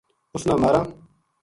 اِس نا ماراں